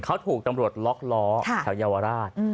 เขาถูกตำรวจล็อกล้อแถวเยาวราช